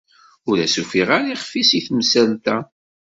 Ur as-ufiɣ ara ixf-is i temsalt-a.